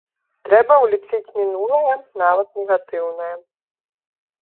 Трэба ўлічыць мінулае, нават негатыўнае.